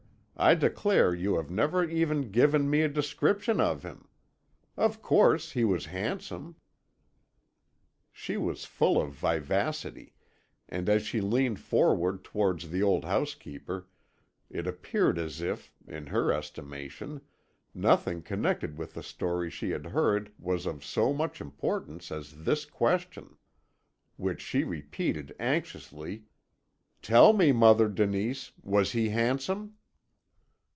I declare you have never even given me a description of him. Of course he was handsome." She was full of vivacity, and as she leaned forward towards the old housekeeper, it appeared as if, in her estimation, nothing connected with the story she had heard was of so much importance as this question, which she repeated anxiously, "Tell me, Mother Denise, was he handsome?"